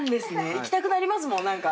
行きたくなりますもんなんか。